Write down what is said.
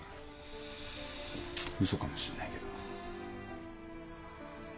嘘かもしんないけど。